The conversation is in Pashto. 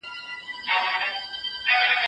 د کور دننه رڼا مناسبه وساتئ.